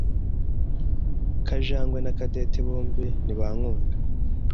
Kajangwe Na Cadette bombi ntibankunda.